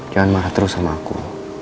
jangan mahat terus sama aku